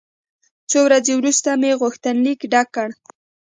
څو ورځې وروسته مې غوښتنلیک ډک کړ.